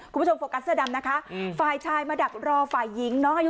โฟกัสเสื้อดำนะคะฝ่ายชายมาดักรอฝ่ายหญิงน้องอายุ